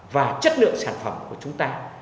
và chất lượng sản phẩm của chúng ta